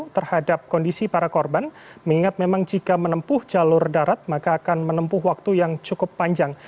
terhadap kondisi para korban mengingat memang jika menempuh jalur darat maka akan menempuh waktu yang cukup panjang